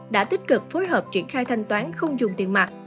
đã tích cực phối hợp triển khai thanh toán không dùng tiền mặt